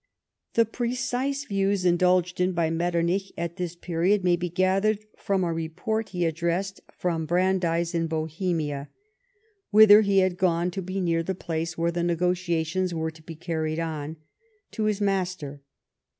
The precise views indulged in by Metternich at this period may be gathered from a report he addressed from Brandeis, in Bohemia — whither he had gone to be near the place where the negotiations were to be carried on — to his master.